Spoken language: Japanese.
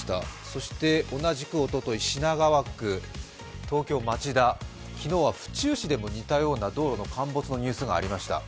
そして同じくおととい、品川区、東京・町田、昨日は府中市でも同じような道路の陥没のニュースがありました。